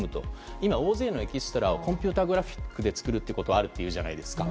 今大勢のエキストラをコンピューターグラフィックで作ることはあるというじゃないですか。